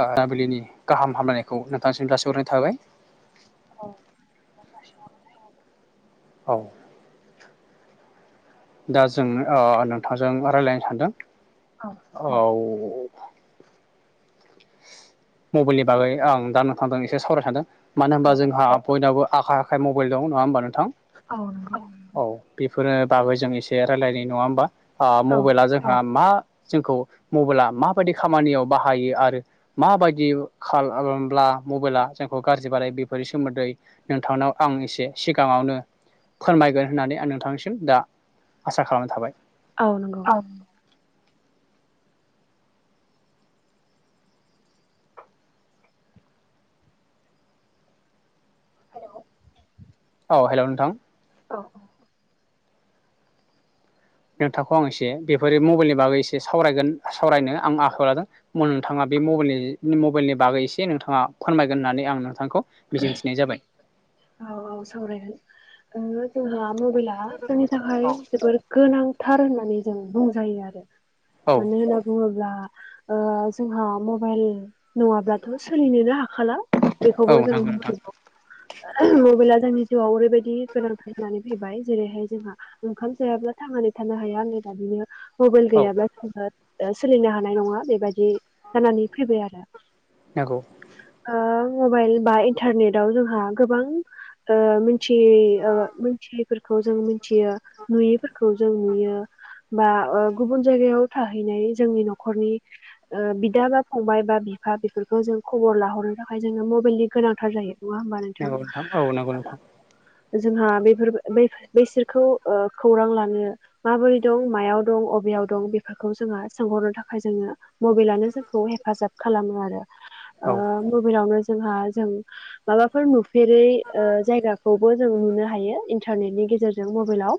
मोनाबिलिनि गाहाम हामलायनायखौ नोंथांसिम जासिहरनाय थाबाय औ [inaudible] दा जों ओ नोंथांजों रायलायनो सानदों औ औ मबाइलनि बागै आं दा नोंथां जों एसे सावराय सानदों मानो होनबा औ जोंहा बयनाबो आखाइ आखाइ मबाइल दं नङा होमबा नोंथां औ नंगौ औ बेफोरो बागै जों एसे रायज्लायनाय नङा होमबा ओ औ मबाइला जोंहा मा जोंखौ मबाइला माबायदि खामानियाव बाहायो आरो माबायदि खालामब्ला मबाइला जोंखौ गाज्रि बानायो बेफोरनि सोमोन्दै नोंथांनो आं एसे सिगाङावनो फोरमायगोन होननानै आं नोंथांनिसिम दा आसा खालामनाय थाबाय। औ नांगौ हेलौ औ हेलौ नोंथां औ नोंथांखौ आं एसे बेफोरो मबाइलनि बागै एसे सावरायगोन सावरायनो आं आखायाव लादों। नोंथाङा बे मबाइलनि मबाइलनि बागै एसे नोंथाङा फोरमायगोन होननानै आं नोंथांखौ मिजिंथिनाय जाबाय औ औ सावरायगोन ओ जोंहा मबाइला जोंनि थाखाय जोबोर गोनांथार होननानै जों बुंजायो आरो औ मानो होनना बुङोब्ला ओ जोंहा मबाइल नङाब्लाथ' सोलिनोनो हा खाला औ बेखौबो जों नंगौ नोंथां मिथिगौ मबाइला जोंनि जिउआव ओरैबायदि गोनां थार जानानै फैबाय जेरैहाय जोंहा ओंखाम जायाब्ला थांनानै थानो नो हाया होननाय बादिनो मबाइल औ गैयाब्ला जोङो ओ सोलिनो हानाय नङा बेबायदि जानानै फैबाय आरो। नंगौ ओ मबाइल बा इन्टारनेटाव जोंहा गोबां ओ मोनथियै ओ मोनथियैफोरखौ जों मिथियो नुयैफोर खौ जों नुयो बा ओ गुबुन जायगायाव थाहैनाय जोंनि न'खरनि ओ बिदा बा फंबाय बा बिफा बेफोरखौ जों खबर लाहरो थाखाय जोंनो मबेलनि गोनांथार जायो नङा होमबा थां नंगौ नोंथां जोंहा बेफोर बेफोर बैसोर खौ ओ खौरां लानो माबोरै दं मायाव दं अबेयाव दं बेफोरखौ जोंहा सोंहरनो था खाय जोङो मबाइलानो जोंखौ हेफाजाब खालामो आरो। ओ औ मबाइलावनो जोंहा जों माबाफोर नु फेरै ओ जायगाखौबो जों नुनो हायो इन्टारनेटनि गेजेरजों मबाइलाव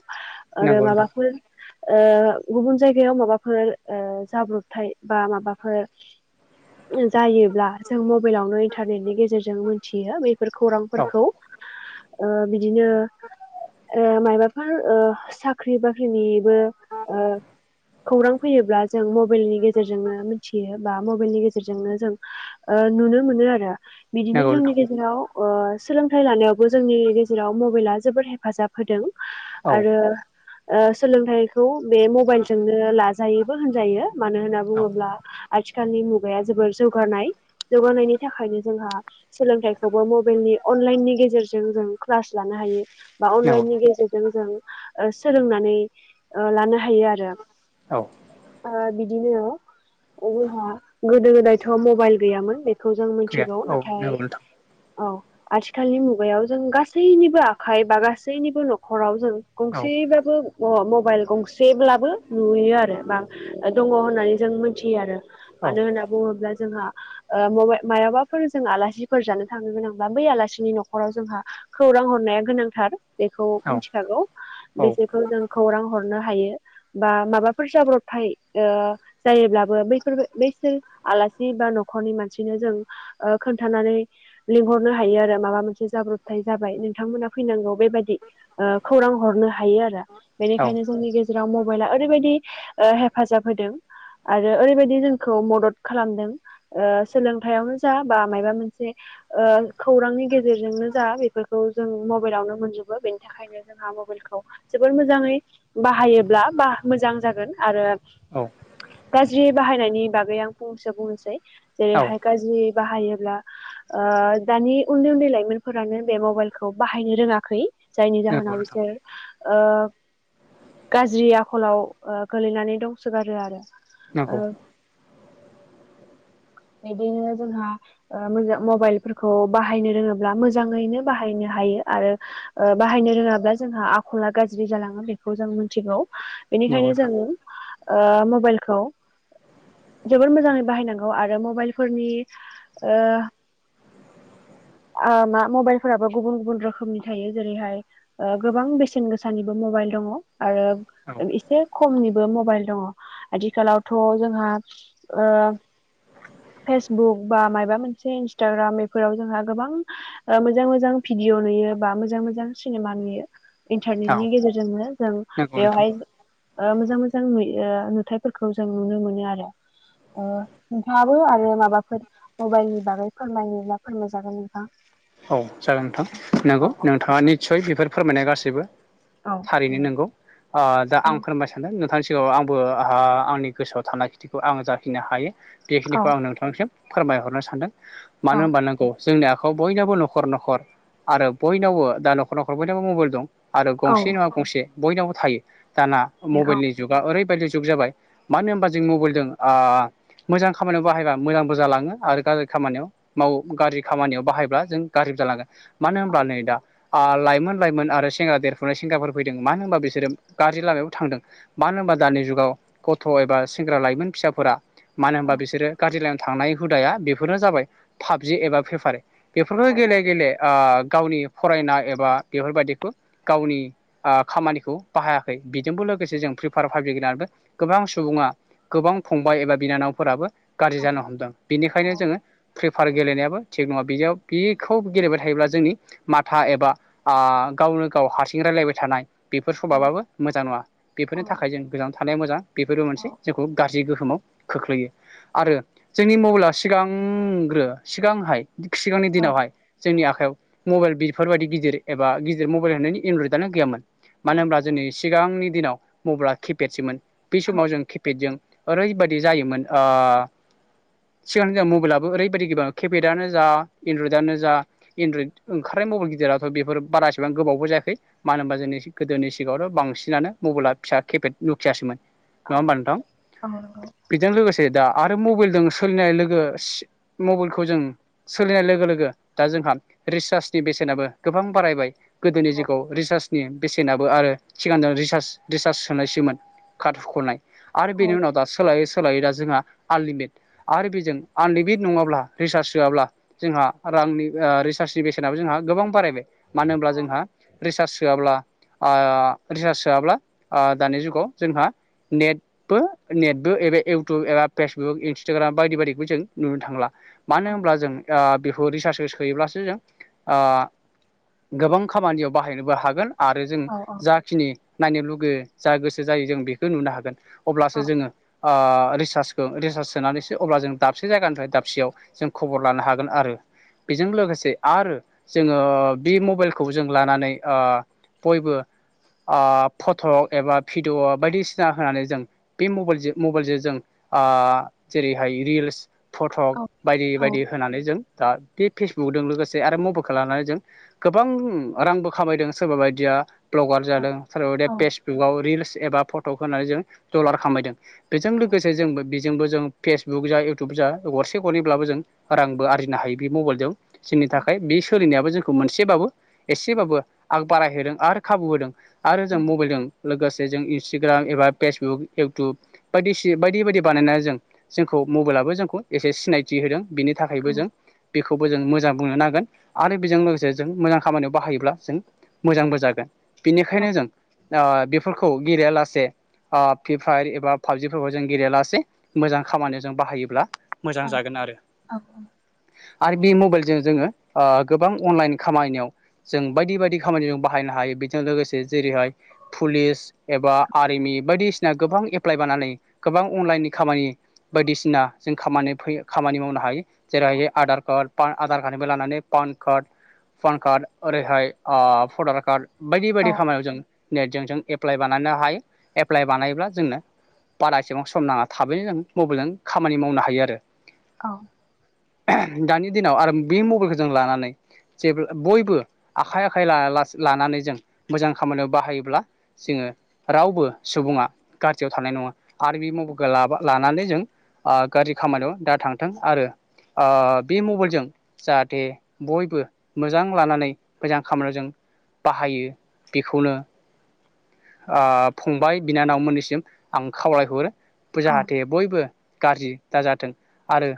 आरो नंगौ नोंथां माबाफोर ओ गुबुन जायगायाव माबाफोर ओ जाब्रबथाय बा माबाफोर जायोब्ला जों मबाइलावनो इन्टारनेटनि गेजेरजों मोनथियो बे फोर औ खौरांफोरखौ। ओ बिदिनो ओ माबाफोर ओ साख्रि बाख्रिनि बो ओ खौरां फैयोब्ला जों मबाइलनि गेजेरजोंनो मिथियो बा मबाइलनि गेजेरजोंनो जों ओ नुनो मोनो आरो बिदिनो नंगौ नोंथां औ नंगौ जोंनि नोंथां गेजेराव ओ सोलोंथाइ लानायावबो जोंनि गेजेराव मबाइला जोबोद हेफाजाब होदों औ आरो ओ सोलोंथाइखौ बे मबाइलजोंनो लाजायोबो होनजायो मानो होनना बुङोब्ला आथिखालनि मुगाया जोबोर जौगानाय जौगानायनि थाखायनो जोंहा सोलोंथाइखौबो म बेलनि अनलाइननि गेजेरजों जों क्लास लानो हायो बा नंगौ अनलाइननि गेजेरजों जों ओ सोलोंनानै ओ लानो हायो आरो औ ओ बि दिनो जोंहा गोदो गोदायथ' मबाइल गैयामोन बेखौ जों गैया मोनथिगौ औ नाथाय नंगौ नोंथां औ आथिखालनि मुगायाव जों गासैनिबो आखाइ बा गासैनिबो न'खराव जों औ गंसेयै बाबो मबाइल गंसेब्लाबो नुयो आरो बा दङ होननानै जों मोनथियो आरो। औ मानो होनना बुङोब्ला जोंहा ओ मबाइल मायाबाफोर जों आलासिफोर जानो थांनो गोनांबा बै आलासिनि न'खराव जोंहा खौरां हरनाया गोनांथार। बेखौ औ मिथिखागौ बिसोरखौ जों खौरां हरनो हायो बा माबाफोर जाब्रबथाय ओ जायोब्लाबो [unintelligible] आसि बा न'खरनि मानसिनो जों ओ खोन्थानानै लिंहरनो हायो आरो माबा मोनसे जाब्रबथाय जाबाय, नोंथांमोना फैनांगौ बेबायदि खौरां हरनो हायो आरो औ बेनिखायनो जोंनि गेजेराव मबाइल आ ओरैबायदि ओ हेफाजाब होदों। आरो ओरैबायदि जोंखौ मदद खालामदों ओ सोलोंथाइआवनो जा बा माबा मोन से ओ खौरांनि गेजेरजोंनो जा बेफोरखौ जों मबाइल आवनो मोनजोबो बेनि थाखायनो जों मबाइल खौ जोबोर मोजाङै बाहायो। [unintelligible] मोजां जागोन आरो औ गाज्रि बाहायनायनि बागै आं फंनैसो बुंनोसै, औ जेरैहाय गाज्रि बाहायोब्ला ओ दानि उन्दै-उन्दै लाइमोनफोरानो बे मबाइलखौ बाहायनो रोङाखै। जायनि नंगौ जाहोनाव नोंथां बिसोर ओ गाज्रि आखलाव ओ गोलैनानै दंसोगारो आरो। [unintelligible] बेदिनो जोंहा ओ [unintelligible] मबाइलफोरखौ बाहायनो रोङोब्ला मोजाङैनो बाहायनो हायो आरो ओ बाहायनो नो रोङाब्ला जोंहा आखला गाज्रि जालाङो बेखौ जों मोनथिगौ नंगौ बेनिखायनो नोंथां जों ओ मबाइलखौ जोबोर मोजाङै बाहायनांगौ आरो मबाइलफोरनि ओ [inaudible] ओ मा मबाइलफोराबो गुबुन गुबुन रोखोमनि थायो जेरैहाय ओ गोबां बेसेन गोसानिबो मबाइल दङ आरो औ एसे खमनि मबाइल दङ आथिखालावथ' जोंहा ओ फेसबुक बा माइबा मोनसे इन्सताग्राम बेफोराव जोंहा गोबां ओ मोजां मोजां भिडिअ नुयो बा मोजां मोजां सिनेमा नुयो औ इन्टारनेटनि गेजेरजोंनो जों नंगौ नोंथां बेवहाय ओ मोजां मोजां नुयो-नुथाइफोरखौ जों नुनो मोनो आरो। ओ नोंथाङाबो आरो माबाफोर मबाइल नि बागै फोरमायोब्ला फोरमायजागोन नोंथां। औ जागोन नोंथां नंगौ औ नोंथाङा निस्सय बेफोर फोरमायनाया गासैबो औ थारैनो नंगौ ओ दा औ आं फोरमाय सानदों नोंथांनि सिगाङाव आंबो [unintelligible] आंनि गोसोआव थानाय खिथिखौ आं जाखिनो हायो औ बेखिनिखौ आं नोंथांनिसिम फोरमायहरनो सानदों औ मानो होनबा नोंगौ जोंनि आखायाव बयनावबो न'खर-न'खर आरो बयनावबो दा न'खर-न'खर बयनावबो मबाइल दं। आरो औ गंसे नङा गंसे बयनावबो थायो दाना बियो मबाइलनि जुगा ओरैबायदि जुग जाबाय मानो होनबा जों मबाइलजों ओ मोजां खामानियाव बाहायबा मोजांबो जालाङो आरो गाज्रि खामानियाव माव गाज्रि खामानियाव बाहायबा जों गाज्रिबो जालांगोन मानो औ होनब्ला नै दा आ लाइमोन लाइमोन आरो सेंग्रा देरफुनाय सेंग्राफोर फैदों मानो होनबा बिसोरो गाज्रि लामायाव थांदों मानो होनबा दानि जुगाव गथ' एबा सेंग्रा लाइमोन फिसाफोरा मानो औ होनबा बिसोरो गाज्रि लाइनआव थांनाय हुदाया बेफोरनो जाबाय पाबजि एबा फ्रि फाइर नोंथां बेफोरखौनो जोङो गेले गेले आ गावनि फरायनाय एबा बेफोरबायदिखौ गावनि ओ खामानिखौ बाहायाखै बिजोंबो लोगोसे जों फ्रि फाइर पाबजि गोबां सुबुङा गोबां फंबाय एबा बिनानावफोराबो गाज्रि जानो हमदों बेनिखायनो जोङो फ्रि फाइर गेलेनायाबो थिग नङा। बेखौ गेलेबाय थायोब्ला जोंनि माथा एबा गावनो गाव हारसिं रायलायबाय थानाय बेफोर औ सभाबाबो मोजां नङा, बेफोरनि औ थाखाय जों गोजानाव थानाया मोजां, बेफोरबो मोनसे जोंखौ गाज्रि गोहोमाव खोख्लैयो आरो जोंनि मबाइला सिगांग्रो सिगांहाय सिगांनि दिनावहाय जोंनि आखायाव मबाइल बेफोरबायदि गिदिर एबा गिदिर मबाइल होननायनि एनद्रइद आनो गैयामोन मानो होनब्ला जोंनि सिगांनि दिनाव मबाइला किपेडसोमोन बे समाव औ औ जों किपेडजों ओरै बायादि जायोमोन ओ सिगांनि जा मबाइलाबो ओरैबायदि गोबा केपेडआनो जा एनड्रयदआानो जा एनड्रयड ओंखारनाय मबाइल गिदिराथ' बेफोर बारा एसेबां गोबावबो जायाखै मानो होनबा जोंनिस एसे गोदोनि सिगाङावथ' बांसिनानो मबाइला फिसा किपेद नकियासोमोन। नङा होमबा नोथां बेजों लोगोसे दा आरो मबाइलजों सोलिनाय लोगो सि मबाइलखौ जों सोलिनाय लोगो लोगो दा जोंहा रिसार्चनि बेसेनाबो गोबां बारायबाय। गोदोनि जुगाव रिसार्चनि बेसेनाबो आरो सिगां जों रिसार्ज रिसार्ज सोनायसोमोन कार्ड हुख'नाय। आरो बेनि उनाव दा सोलाय सोलायो दा जोंहा आनलिमिट आरो बेजों आनलिमिट नङाब्ला रिसार्ज सोआब्ला जोंहा रांनि रिसार्चनि बेसेनाबो जोंहा गोबां बारायबाय मानो होनब्ला जोंहा रिसार्च सोआब्ला ओ रिसार्च सोआब्ला दानि जुगाव जोंहा नेटबो नेटबो एबे इउटुब एबा फेसबुक इन्सटाग्राम बायदि बायदिबो जों नुनो थांला। मानो होनब्ला जों ओ बेखौ रिसार्चखौ सोयोब्लासो जों ओ गोबां खामानियाव बाहायनोबो हागोन आरो जों जाखिनि नायनो लुगैयो जा गोसो जायो जों बेखौ नुनो हागोन। अब्लासो जोङो ओ रिसार्चखौ रिसार्च सोनानैसो अब्ला जों दाबसे जायगानिफ्राय दाबसेयाव जों खबर लानो हागोन गोन आरो। बेजों लोगोसे आरो जोङो बे मबाइलखौ जों लानानै ओ बयबो ओ फट' एबा भिडिअ बायदिसिना होनानै जों बे मबाइलजों मबाइलजों जों ओ जेरैहाय रिल्स फटक बायदि बायदि होनानै दा बे फेसबुकजों लोगोसे आरो मबाइलखौ लानानै जों गोबां रांबो खामायदों सोरबा बाय दिया ब्लगार जादों सोरबा बाइदिया फेसबुकाव रिल्स एबा फट'खौ होनानै जों दलार खामायदों। बेजों लोगोसे जोंबो बेजोंबो जों फेसबुक जा इउटुब जा गरसे गरनैब्लाबो जों रांबो आर जिनो हायो बे मबाइलजों जोंनि थाखाय बे सोलिनायाव बो जोंखौ मोनसेबाबो एसेबाबो आग बारायहोदों आरो खाबु होदों आरो जों मबाइलजों लोगोसे जों इन्सटाग्राम एबा फेसबुक इउटुब बायदिसि बायदि बायदि बानायनानै जों जोंखौ मबाइलाबो जोंखौ एसे सिनायथि होदों बेनि थाखायबो जों बेखौबो जों मोजां बुंनो नांगोन आरो बेजों लोगोसे जों मोजां खामानियाव बाहायोब्ला जों मोजांबो जागोन। बेनिखायनो जों ओ बेफोरखौ गेलेया लासे ओ फ्रि फायार एबा पाबजिफोरखौ जों गेलेलासे मोजां खामानियाव जों बाहायोब्ला मोजां जागोन आरो। आरो बे मबाइलजों जोङो ओ गोबां अनलाइन खामानिानियाव जों बायदि बायदि खामानिजों बाहायनो हायो बेजों लोगोसे जेरैहाय पुलिस एबा आर्मि इ बायदिसिना गोबां एप्लाइ बानानै गोबां अनलाइननि खामानि बायदिसिना जों खामानि फैयो। खामानि मावनो हायो जेरैहाय आधार कार्ड आधार कार्डनिबो लानानै पान कार्ड पान कार्ड ओरैहाय ओ भटार कार्ड बायदि बायदि खामायाव जों नेटजों जों एप्लाइ बानायनो हायो एप्लाइ बानायोब्ला जोंनो बारा एसेबां सम नाङा थाबैनो जों मबाइलजों खामानि मावनो हायो आरो। औ दानि दिनाव आरो बे मबाइलखो जों लानानै जेब्ला बयबो आखाइ आखाइ लायालास लानानै जों मोजां खामानियाव बाहायोब्ला जोङो रावबो सुबुङा गाज्रियाव थानाय नङा आरो बे मबेलखो लाबा लानानै जों ओ गाज्रि खामानियाव दा थांथों आरो ओ बे मबाइलजों जाहाथे बयबो मोजां लानानै मोजां खामानियाव जों बाहायो बेखौनो ओ फंबाय बिनानावमोननिसिम आं खावलायहरो। जाहाथे बयबो गाज्रि दाजाथों आरो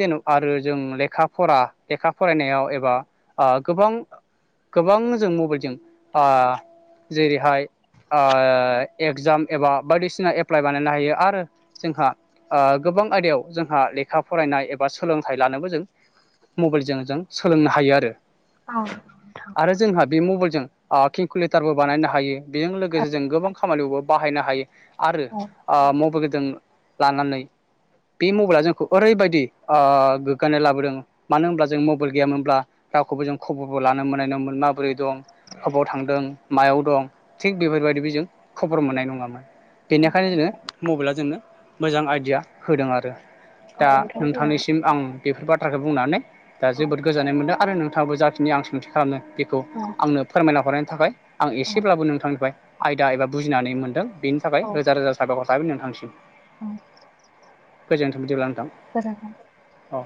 जेन' आरो जों लेखा फरा लेखा फरायनायाव एबा आ गोबां गोबां जों मबाइलजों आ जेरैहाय आ एगजाम एबा बायदिसिना एप्लाइ बानायनो हायो आरो जोंहा गोब गोबां आयदायाव जोंहा लेखा फरायनाय एबा सोलोंथाइ लानोबो जों मबाइलजों जों सोलोंनो हायो आरो। आरो जोंहा बे मबाइलजों आ केलकुलेटारबो बानायनो हायो। बेजों लोगोसे जों गोबां खामानियावबो बाहायनो हायो आरो आ मबेइ जों लानानै बे मबाइला जोंखौ ओरैबायदि आ गोग्गानाय लाबोदों मानो होनब्ला जों मबाइल गैयामोनब्ला रावखौबो जों खबरबो ला नो मोननाय नंङामोन माबोरै दं, हबाव थांदों मायाव दं थिग बेफोरबायदिबो जों खबर मोननाय नंङामोन। बेनिखायनो जोंङो मबाइला जोंनो मोजां आइडिया होदों आरो। दा नोंथांनिसिम आं बेफोर बाथ्राखौ बुंनानै दा जोबोद गोजोननाय मोनदों। आरो नों नोंथाङाबो जाखिनि आं सोंथि खालामनो बेखौ आंनो फोरमायना हरनायनि थाखाय आं एसेब्लाबो नोंथांनिफ्राय आयदा एबा बुजिनानै मोनदों बिनि थाखाय रोजा रोजा साबायखर थाबाय नोंथांसिम। औ। गोजोनथों बिदिब्ला नों गोजोनथों। औ।